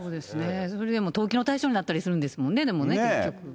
それでも投機の対象になったりするんですもんね、結局。